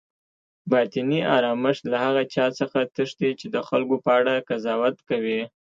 باطني آرامښت له هغه چا څخه تښتي چی د خلکو په اړه قضاوت کوي